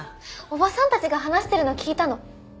おばさんたちが話してるの聞いたの。